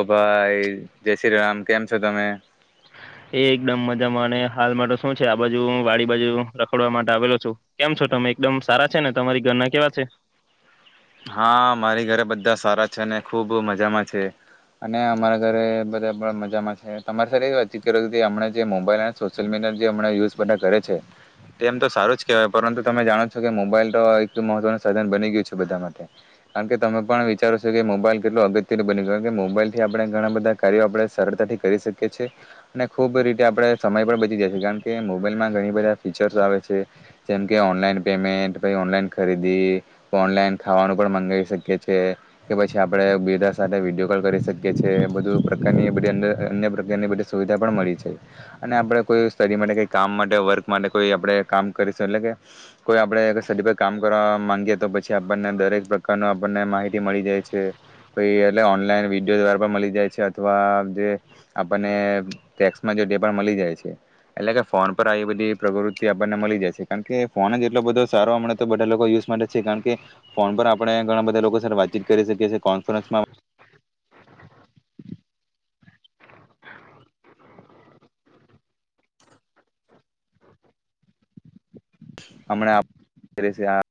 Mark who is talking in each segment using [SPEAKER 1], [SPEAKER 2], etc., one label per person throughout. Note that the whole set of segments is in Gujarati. [SPEAKER 1] ઓ ભાઈ, જય શ્રી રામ કેમ છો તમે?
[SPEAKER 2] એ એકદમ મજામાં અને હાલ માટે શું છે આ બાજુ વાડી બાજુ રખડવા માટે આવેલો છો કેમ છો તમે એકદમ સારા છે ને તમારી ઘરના કેવા છે?
[SPEAKER 1] હા મારી ઘરે બધા સારા છે અને ખુબ મજામાં છે, અને અમારા ઘરે બધા પણ મજામાં છે તમારી સાથે એવી વાતીતમ જે મબઈ મોાઈલ અને સોિ્યલીડિયા જે હણા યુઝ બધા કરે છે, તે એમ તો સારું જ કેહેવાય પરંતુ તમે જાણો છો કે મોબાઈલ તો એક મહત્વનું સાધન બની ગયું છે બધામાં કારણ કે તમે પણ વિચારો છો કે મોબાઈલ કેટલું અગત્ય બ કે મોબાઈલથી આપણે ઘણા બધા કાર્યો આપણે સરળતાથી કરી શકીએ છીએ, અને ખૂબ રીતે આપણે સમય પણ બચી જાય છેએ કારણ કે મોબાઈલમાં ઘણી બધા ફીચર્સ આવે છે, જેમકે ઓનલાઈન પેમેન્ટ પાઈ ઓનલાઈન ખરીદી, ઓનલાઈન ખાવાનું પણ મગાવી શકીએ છીએ કે પછી આપણે બીજા સાથે વિડીયો કોલ કરી શકીએ છીએ બધું પ્રકારની બધી અ અન્ય પ્રકારની બધી સુવિધા પણ મળી છે અને આપણે કોઈ સ્ટડી માટે કઈ કામ માટે વર્ક માટે કોઈ આપણે કામ કરીશું એટલે કે કોઈ આપણે અર સ પર કામ કરવા માગીએ તો પછી બંને દરેક પ્રકાર આપને માહિતી મળી જાય છે પહી એટલે ઓનલાઈન વિડીયો દ્વારા મલી જાય છે અથવા જે આપણને ટેક્સમાં જે ડે પણ મલી જાય છે એટલે કે ફોન પર આવી બધી પ્રવૃતિ આપણને મલી જાય છે કારણ કે ફોન જ એટલો બધો સારો અમના તો બધા યુઝ માટે છે કારણ કે ફોન પર આપણેં ઘણા બધા લોકો સાથે વાતચીત કરી શકીએ છે કોન્ફરન્સમાં હમણા કરે છે આ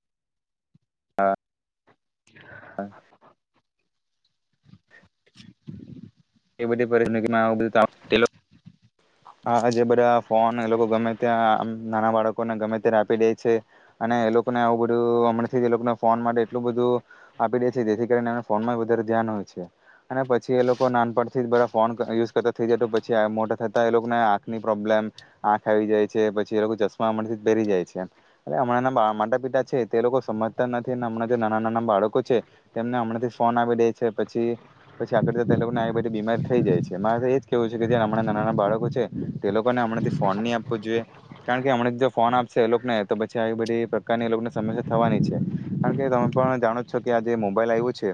[SPEAKER 1] હા. તે બધી પરિસ્થિતિમાં બધા તેલો ભાજબધા ફોન લોકો ગમે ત્યાં નાના બાળકોને ગમે ત્યારે આપી દે છે અને એ લોકોને આવું બધું હમણાથી જ એ લોકોનો ફોન માટે એટલું બધું આપી દે છે જેથી કરીને ફોનમાં વધારે ધ્યાન હોય છે અને પછી એ લોકો નાન બ ફોન યુઝ કરતા થઈ જાય તો પછી મોટા થતા એ લોકોને આંખની પ્રોબ્લેમ આંખ આવી જાય છે પછી એ લોકો ચશ્મા હમણાંથી પહેરી જાય છે ને હમણાં ના માતા પિતા છે તે લોકો સમજતા નથી હમણાં જે નાના નાના બાળકો છે તેમને હમણાંથી ફોન આવી દે છે પછી પછી, આગળ લોકોને એ બીમાર થઈ જાય છે મારે એ જ કહેવું છે કે જે હમણાં નાના નાના બાળકો છે તો એ લોકોને હમણાંથી ફોન ની આપવો જોઈએ કારણ કે હમણાં જો ફોન આપશે એ લોકોને તો પછી, આવી બધી પ્રકારની એ લોકોને સમસ્યા થવાની છે કારણ કે તમે પણ જાણો જ છો કે આ જે મોબાઈલ આવ્યું છે,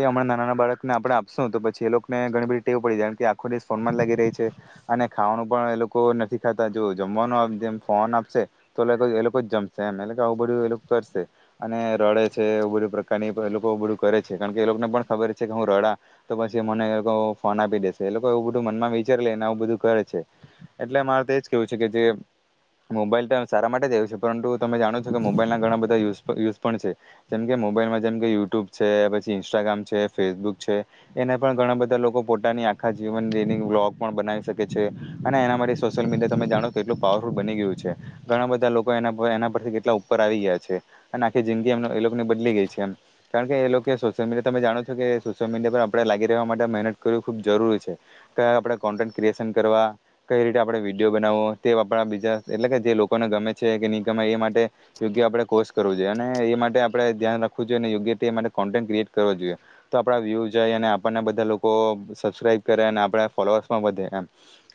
[SPEAKER 1] એ હમણાં નાના બાળકને આપણે આપશું તો પછી એ લોક મેં ઘણી બધી ટેવ પડી જાય કારણ કે આખો દિવસ ફોનમાં જ લાગી રહે છે અને ખાવાનું પણ એ લોકો નથી ખાતા જો જમવાનું જેમ ફોન આપશે તો એ લોકો જ જમશે એમ એટલે કે આવું બધું એ લોકો કરશે અને રડે છે એવુ બધું પ્રકારની એ લોકો એવુ બધું કરે છે કારણ કે એ લોકોને પણ ખબર છે કે હું રડા તો પછી મને તો ફોન આપે એ લોકો એવું બધું મનમાં વિચારી લે ને આવું બધું કરે છે એટલા માટે જ કઉ છે કે જે મોબાઈલ તો સારા માટે જેવો છે પરંતુ તમે જાણો છો કે મોબાઈલ ના ઘણા બધા યઝ યુઝ પણ છે જેમકે મોબાઈલમાં જેમકે યુટ્યુબ છે પછી ઇન્સ્ટાગ્રામ છે ફેસબુક છે, એને પણ ઘણા બધ ધા લોકો પોતાની આખા જીવનની વ્લોગ પણ બનાવી શકે છે, અને એના માટે સોશિયલ મીડિયા તમે જાણો કેટલું પાવરફુલ બની ગયું છે, ઘણા બધા લોકો એના એના પરથી કેટલા ઉપર આવી ગયા છે, અને આખી જિંદગી એમ એ લોકોની બદલી ગઈ છે, કારણ કે એ લોકો સોશિયલ મીડિયા તમે જાણો છો કે સોશિયલ મીડિયા પર આપડે લાગી રહેવા મા મહેનત કરવી ખૂબ જરૂરી છે કયા આપડે કોન્ટેન્ટ ક્રિએશન કરવા કઈ રીતે આપડે વિડીયો બનાવવો તે આપડા બીજા એટલે કે જે લોકોને ગમે છે કે નહીં ગમે એ માટે યોગ્ય આપડે કોર્સ કરવો જોઈએ અને એ માટે આપણે ધ્યાન રાખવું જોઈએ અને યોગ્ય તે માટે કોન્ટેન્ટ ક્રિએટ કરો જોઈએ તો આપડા વ્યૂ જાય અને આપણને બધ બધા લોકો સબસ્ક્રાઈબ કરે અને આપડે ફોલોઅર્સ પણ વધે એમ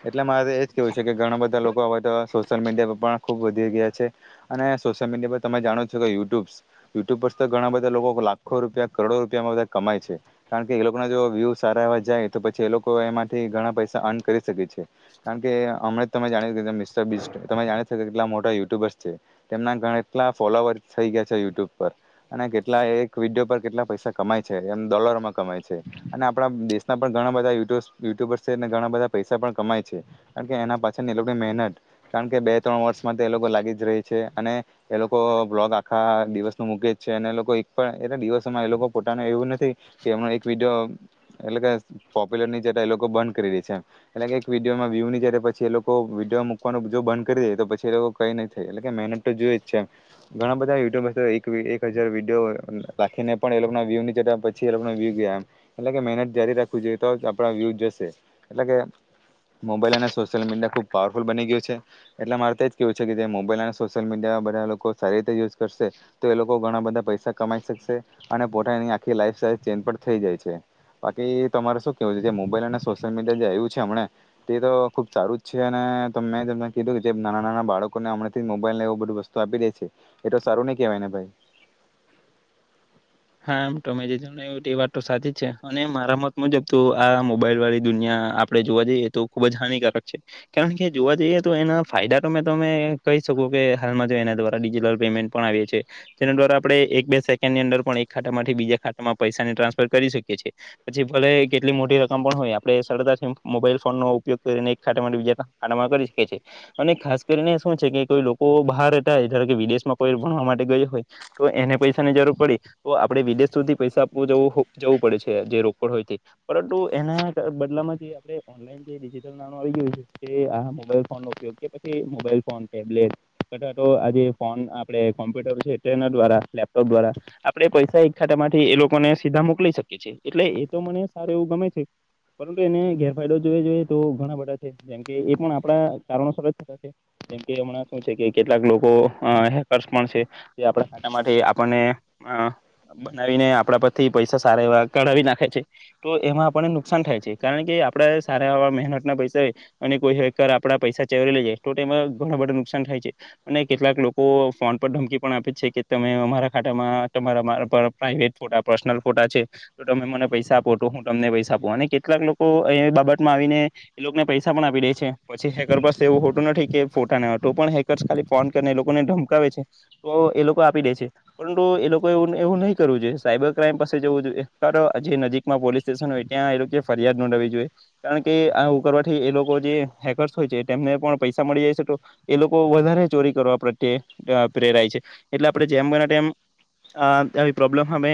[SPEAKER 1] એટલે મારે તો એ જ કહેવું છે કે ઘણા બધા લોકો હવે તો સોશિયલ મીડિયા પર પણ ખૂબ વધી ગયા છે અને સોશિયલ મીડિયા પર તમે જાણો છો કે યુટ્યુબ્સ યુટ્યુબ પર તો ઘણા બધા લોકો લાખો રૂપિયા કરોડો રૂપિયામાં બધા કમાય છે, કારણ કે એ લોકોના જો વ્યૂસ સારા એવા જાય તો પછી એ લોકો એમાંથી ઘણા પૈસા અર્ન કરી શકે છે કારણ કે હમણાં તમે જાણી મિસ્ટર બિસ્ટ તમે જાણી કેટલા મોટા યુટ્યુબર્સ છે તેમના કેટલા ફોલોવર થઈ ગયા છે યુટ્યુબ પર અને કેટલા એક વિડીયો પર કેટલા પૈસા કમાય છે એમ ડોલરોમાં કમાય છે. અને આપડા દેશના પણ ઘણા બધા યુટ્યુબર્સ છે ને ઘણા બધા પૈસા પણ કમાય છે કારણ કે એના પાછળની એ લોકોની મહેનત કારણ કે બે ત્રણ વર્ષમાં તો એ લોકો લાગી જ રહી છે અને એ લોકો બ્લોગ આખા દિવસનું મૂકે જ છે અને એ લોકો એક પણ એટલે દિવસોમાં એ લોકો પોતાનું એવું નથી કે એમનો એક વિડીયો એટલે કે પોપ્યુલરની જતા એ લોકો બંધ કરી દે છે એટલે કે એક વિડીયોમાં વ્યુ ની પછી એ લોકો વિડીયો મૂકવાનું જો બંધ કરી દે તો પછી એ લોકો કઈ ન થાય એટ મહેનત તો જોઈ જ છે ઘણા બધા યુટ્યુબર તો એક વી હજાર વિડીયો નાખીને પણ એ લોકના વ્યુવ ની જતા પછી એ લોકના વ્યૂસ આમ એટલે કે મહેનત જારી રાખવી જોઈએ તો જ આપડા વ્યૂઝ જશે એટલે કે મોબાઈલ અને સોશિયલ મીડિયા ખૂબ પાવરફુલ બની ગયું છે એટલે મારે તો જ કહેવું છે કે જે મોબાઈલ અને સોશિયલ મીડિયા બધા લોકો સારી રીતે યુઝ કરશે તો એ લોકો ઘણા બધા પૈસા કમાઈ શકશે અને પોતાની આખી લાઈફ સસ્ટાઈલ ચેન્જ પણ થઈ જાય છે. બાકી તમારે શું કેવું છે જે મોબાઈલ અને સોશિયલ મીડિયા જે આવ્યું છે હમ તે તો ખુબ સારું જ છે અને મે જેમ કીધુંના નાના બાળકોને હમણાથી મોબાઈલને એવું બધું વસ્તુ આપી દે છે એ તો સારું ની કેવાય ને ભાઈ.
[SPEAKER 2] હા તમે જે કયું એ વાત તો સાચી જ છે અને મારા મત મુજબ તો આ મોબાઈલ વાળી દુનિયા આપડે જોવા જઈએ તો ખુબ જ હાનિકારક છે કારણ કે જોવા જઈએ તો એના ફાયદા તોમે તમે કહી શકો કે હાલમાં જો એના દ્વારા ડિજિટલ પેમેન્ટ પણ આવી છે જેના દ્વારા આપડે એક બે સેકન્ડની અંદર પણ એ ખાતા માથી બીજા ખાતામાં પૈસાની ટ્રાન્સફર કરી શકીએ છે પછી ભલે કેટલી મોટી રકમ પણ હોય આપડે સરળતાથી મોબાઈલ ફોનનો ઉપયોગ કરીને એક ખાતા માટે બીજા ખાતામાં કરી શકીએ છે અને ખાસ કરીને શું છે કે કોઈ લોકો બહાર રહેતા હોય વિદેશમાં કોઈ ભણવા માટે ગયો હોય તો એને પૈસાની જરૂર પડી તો આપડે વિદેશ સુધી પૈસા આપવું જવું પડે છે જે રોકડ હોયથી પરંતુ એના બદલામાં જે આપડે ઓનલાઈન ડિજિટલ નાનું આવી ગયું છે તે આ મોબાઈલ ફોનનો ઉપયોગ કે પછી મોબાઈલ ફોન ટેબલેટ કટા તો આ જે ફોન આપડે કોમ્પ્યુટર છે ટ્રેનર દ્વારા લેપટોપ દ્વારા આપડે પૈસા એક ખાતા માંથી એ લોકોને સીધા મોકલી શકીએ છે એટલે એ તો મને સારું એવું ગમે છે પરંતુ એને ગેરફાયદો જો જોઈએ તો ઘણા બધા છે જેમકે એ પણ આપડા કારણો સર થતા છે જેમકે હમણાં શું છે કે કેટલાક લોકો હેકર્સ પણ છે આપડા ખાતા માંથી આપણને અહ બનાવીને આપડા પરથી પૈસા સારા એવા કઢાવી નાખે છે તો એમાં આપણને નુકસાન થાય છે કારણ કે આપડા સારા એવા મહેનત ના પૈસા અને કોઈ હેર આપડા પૈસા ચેવરી લઈ જાય તો એમાં ઘણ બધા નુકસાન થાય છે અને કેટલાક લોકો ફોન પર ધમકી પણ આપે છે કે તમે અમારા ખાતામાં તમારા મારાં પર પ્રઇવેટ ફોટા પર્સનલ ફોટા છે તો તમે મને પૈસા આપો તો હું તમને પૈસા આપું અને કેટલાક લોકો એ બાબતમાં આવીને એ લોકોને પૈસા પણ આપી દે છે પછી હેકર બસ એવું હોતું નથી કે ફોટા ન તો પણ હેકર્સ ખાલી ફોન કરીને એ લોકોને ધમકાવે છે તો એ લોકો આપી દે છે પરંતુ એ લોકો તો એવું નહી કરવું જોઈએ સાયબર ક્રાઈમ પાસે જવું જોઈએ કા તો આ જે નજીક માં પોલીસ સ્ટેશન હોય એ લોકોએ ફરિયાદ નોંધાવવી જોઈએ કારણ કે આવું કરવાથી એ લોકો જે હેકર્સ હોય છે તેમને પણ પૈસા મળી જાય છે તો એ લોકો વધારે ચોરી કરવા પ્રત્યે પ્રેરાય છે એટલે આપડે જેમ બને તેમ અહ આવી પ્રોબ્લમ હામે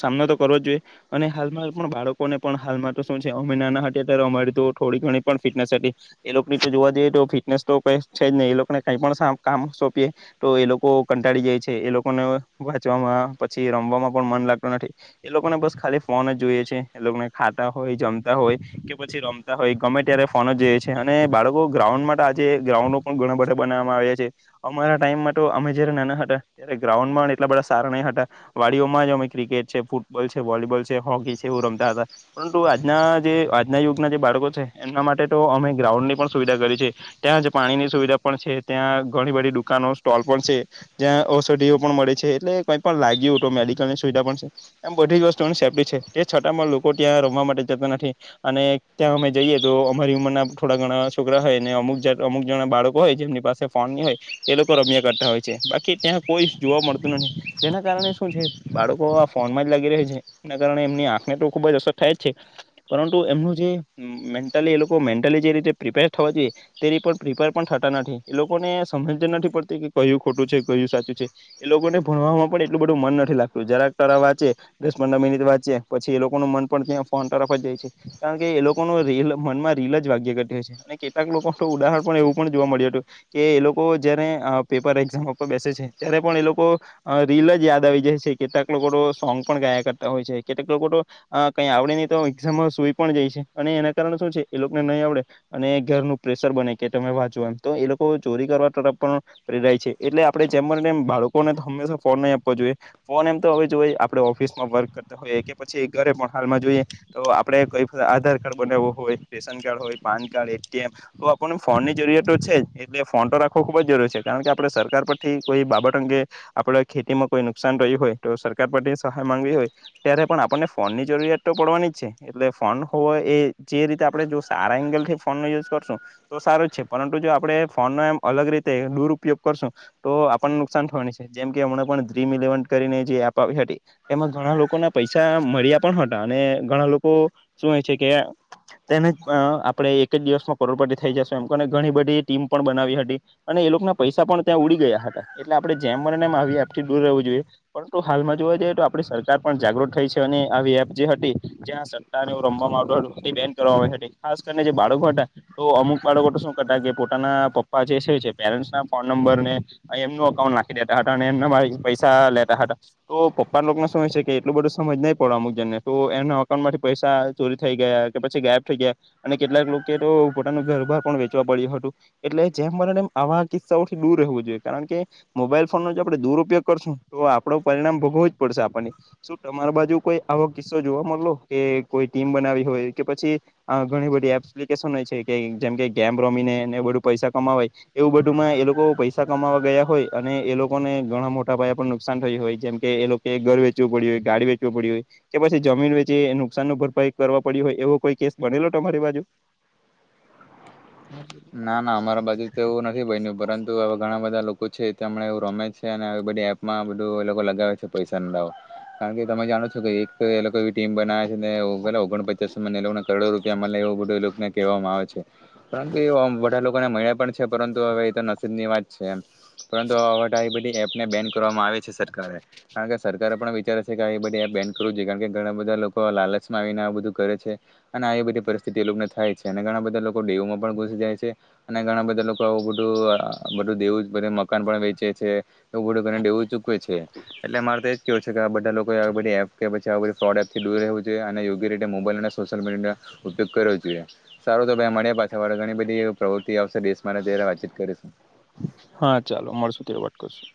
[SPEAKER 2] સામનો તો કરવો જ જોઈએ અને હાલમાં પણ બાળકોને પણ હાલમાં તો શું છે અમે નાના અત્યારે અમારી તો થોડી ઘણી પણ ફિટનેસ હતી એ લોકોની તો જોવા જઈએ તો ફિટનેસ તો કઈ છે જ નહી એ લોકોને કઈ પણ કામ સોંપીએ તો એ લોકો કંટાળી જાય છે એ લોકોને વાંચવામાં પછી રમવામાં પણ મન લાગતું નથી એ લોકોને બસ ખાલી ફોન જ જોઈએ છે એ લોકોને ખાતા હોય જમતા હોય કે પછી રમતા હોય ગમે ત્યારે ફોન જ જોઈએ છે અને બાળકો ગ્રાઉન્ડ માટે આજે ગ્રાઉન્ડ પણ ઘણા બધા બનાવવામાં આવ્યા છે અમારા ટાઈમમાં તો અમે જયારે નાના હતા ત્યારે ગ્રાઉન્ડમાં ને એટલા બધા સારા નહીં હતા, વાડીઓમાં જ અમે ક્રિકેટ છે, ફૂટબોલ છે, વોલીબોલ છે, હોકી છે એવું રમતા હતા, પરંતુ આજના જે આજના યુગના જે બાળકો છે એમના માટે તો અમે ગ્રાઉન્ડ ની પણ સુવિધા કરી છે, ત્યાં જ પાણીની સુવિધા પણ છે, ત્યાં ઘણી બધી દુકાનો સ્ટોલ પણ છે, જ્યાં ઔષધિઓ પણ મળે. છે. એટલે કઈ પણ લાગ્યું તો મેડિકલની સુવિધા પણ છે. એમ બધી જ વસ્તુઓની સેફ્ટી છે. તે છતાં લોકો ત્યાં રમવા માટે જતા નથી. અને ત્યાં અમે જઈએ તો અમારી ઉંમરના થોડા ઘણા છોકરા હોય અને અમુક અમુક જણા બાળકો હોય જેમની પાસે ફોનની હોય તે લોકો રમ્યા કરતા હોય છે. બાકી ત્યાં કોઈ જોવા મળત. નહિ. તેના કારણે શું છે. બાળકો આ ફોનમાં જ લાગી રહે છે. એના કારણે એમની આંખને તો ખુબ જ અસર થાય જ છે. પરંતુ એમનું મેન્ટલી એ લોકો મેન્ટલી જે રીતે પ્રિપેર થવા જોઈએ તે રીતે પ્રિપેર પણ થતા નથી. એ લોકોને સમજ નથી પડતી કે કયું ખોટું છે. કયું સાચું છે. એ લોકોને ભણવામાં પણ એટલું બધું મન નથી લાગતું. જરાક ટરા વાંચે દસ પંદર મિનિટ વાંચે પછી એ લોકોનું મન પણ ત્યાં ફોન તરફ જાય છે. કારણ કે એ લોકોનું રિલ મનમાં રીલ જ વાગ્ય ઘતી હોય છે. અને કેટલાક લોકોનું ઉદાહરણ પણ એવું પણ જોવા મળ્યું હતું, કે એ લોકો જય્યારે પેપર એક્ઝામ ઉપર બેસે છે. ત્યારે પણ એ લોકો. રીલ જ યાદ આવી જાય છે, કેટલાક લોકો તો સોંગ પણ ગાયા કરતા હોય છે કેટલાક લોકો તો કઈ આવડે નહીં તો, એઝામમાં સુઈ પણ જાય છે, અને એના કારણે શું છે એ લોકોને નહીં આવડે અને ઘરનું પ્રેશર બને કે તમે વાચો એમ તો એ લોકો ચોરી કરવા તરફ પણ પ્રેરાય છે એટલે આપણે જેમ બને તેમ બાળકો [unintelligible] તો હંમેશા ફોન નહી આપવો જોઈએ. ફોન એમ તો હવે જોએ આપણે ઓફિસમાં વર્ક કરતા હોયએ કે પછી ઘરે પણ હાલમાં જોઈએ તો આપડણે કઈ આધાર કાર્ડ બનાવવો હોય, રેશન કાર્ડ હોય, પાન કાર્ડ, એટીએમ તો આપણને ફોનની જરૂરિયા તો છે. જ એટલે ફોન તો રાખવો ખૂબ જ જરૂરી છે. કારણ કે આપણે સરકાર પરથી કોઈ બાબત અંગે. આપડે ખેતીમાં કોઈ નુકસાન રહ્યું હોય તો સરકાર પર સહાય માંગવી હોય ત્યારે પણ આપણને ફોન ની જરૂરિયાત તો પડવાની જ છે. એટલે ફોન હોવો એ જે રીતે આપણે જો સારા એંગલથી ફોન નો યુઝ કરશું તો સારો જ છે. પરંતુ જો આપણે ફોનનો એમ અલગ રીતે દુરુપયોગ કરશું તો આપણને નુકસાન થવાની છે. જેમ કે એમના પણ ડ્રીમ ઇલેવન કરીને જે એપ આવી હતી. એમાં ઘણા લોકો ના પૈસા મળ્યા પણ હતા. અને ઘણા લોકો શું હોય છે કે તેને આપણે એક જ દિવસમાં કરોડપતિ થઈ જશું એમને ઘણી બધી ટીમ પણ બનાવી હતી. અને એ લોકો ના પૈસા પણ ત્યાં ઉડી ગયા હતા. એટલે આપણે જેમને એપ થી દૂર રહેવું જોઈએ. પરંતુ હાલમાં જોવા જઈએ તો આપડી સરકાર પણ જાગૃત થઈ છે. અને આવી એપ જે હતી જ્યાં સટ્ટા ને એવું રમવામાં આવતુ હતું તે બેન્ડ કરવા હતી. ખાસ કરીને જે બાળકો હતા તો અમુક બાળકો તો શું કરતા કે પોતાના પપ્પા જે પેરેન્ટ્સ ના ફોન નંબર ને એમનું અકાઉન્ટ નાખ્. દેતા હતા. એમના પૈસા લેતા હતા, તો પપ્પા લોકો ના શું છે કે એટલું બધું સમજ નહી પડે અમુક જણને તો એમના અકાઉન્ટ માંથી પૈસા ચોરી થઈ ગયા કે પછી ગાયબ થઈ ગયા, અને કેટલાક લોકો તો પોતાનું ઘરબાર પણ વેચવા પડ્યું હતું, એટલે જેમ મને આવા કિસ્સાઓથી દૂર રહેવું જોઈએ કારણ કે. મોબાઈલ ફોનનો જો આપડે દુરુપયોગ કરશું તો આપડો પરિણામ ભોગવું જ પડશે આપણને. શું તમારા બાજુ કોઈ આવો કિસ્સો જોવા મળલો? કે કોઈ ટીમ બનાવી હોય કે પછી ઘણી બધી એપપ્લિકેશન હોય છે. કે જેમ કે ગેમ રમીને એ બધું પૈસા કમાવાય એવું બધુંમાં એ લોકો પૈસા કમાવા ગયા હોય. અને એ લોકોને ઘણા મોટા પયા પર નુકસાન થયું હોય. જેમ કે એ લોકો ઘર વેચવું પડી્યું હોય, ગાડી વેચવું પડયુ હોય કે પછી જમીન વેચી નુકસાન ન ભરપાઈ કરવા પડી હોય એવો કોઈ કેસ બનેલો તમારી બાજુ?.
[SPEAKER 1] ના ના અમારા બાજુ તો એવું નથી બન્યું. પરંતુ હવે ઘણા બધા લોકો છે હમણાં એવું રમે છે. અને બધી એપમાં બધું એ લોકો લગાવે છે પૈસાનો દાવો. કારણ કે તમે જાણો છો કે એક એ લોકો. ટીમ બનાવે છેને ઓગણપચાસ ને. કરોડો રૂપિયા મળે એવું બધું એ લોકોને કહેવામાં આવે છે. પણ. બધા લોકોને મળ્યા પણ છે. પરંતુ હવે એ તો નસીબ ની વાત છે. એમ પરંતુ બધી એપને બેન કરવામાં આવે છે. સરકારે કારણ કે સરકારે પણ વિચારે છે કે આ બધી એપ બેન કરવું જોઈએ. કારણ કે ઘણા બધા લોકો લાલચમાં આવીને આ બધું કરે છે. અને આવી બધી પરિસ્થિતિ એ લોકોને થાય છે. અને ઘણા બધા લોકો દેવુંમાં પણ. અને ઘણા બધા લોકો આવું બધું બધું દેવું મકાન પણ વેચે છે એવું બધું કરીને દેવું ચૂકવે છે. એટલે મારે તો એજ કેવું છે કે બધા લોકો બધી એપ કે પછી બધી ફ્રોડ એપ થી દૂર રહેવું જોઈએ. અને યોગ્ય રીતે મોબાઈલ અને સોશિયલ મીડિયા ઉપયોગ કરવો જોઈએ. સારો તો ભાઈ મળ્યા પાછી [unintelligible] પ્રવૃતિ આવશે. દેશ માટે ત્યારે વાતચીત કરીશું.
[SPEAKER 2] હા ચાલો મળસુ ત્યારે વાત કરશું.